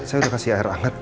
saya udah kasih air anget